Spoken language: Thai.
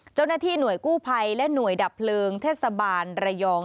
เจ้าหน้าที่หน่วยกู้ภัยและหน่วยดับเพลิงเทศบาลระยอง